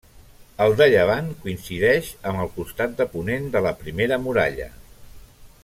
El de llevant coincideix amb el costat de ponent de la primera muralla.